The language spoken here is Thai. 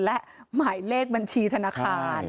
และหมายเลขบัญชีธนาคาร